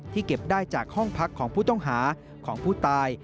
เก็บได้จากห้องพักของผู้ต้องหาของผู้ตาย